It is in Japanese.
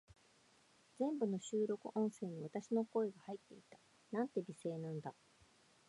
全部の収録音声に、私の声が入っていた。なんて美声なんだ。